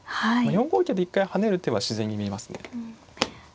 ４五桂で一回跳ねる手は自然に見えますね。